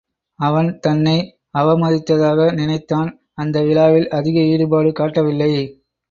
அவன் தன்னை அவமதித்ததாக நினைத்தான் அந்த விழாவில் அதிக ஈடுபாடு காட்டவில்லை.